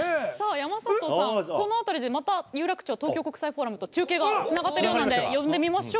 山里さん、この辺りで有楽町・東京国際フォーラムと中継がつながってるようなんで呼んでみましょう。